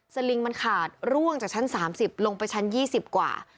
ลิงมันขาดร่วงจากชั้น๓๐ลงไปชั้น๒๐กว่า